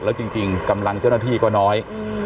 แล้วจริงกำลังเจ้าหน้าที่ก็น้อย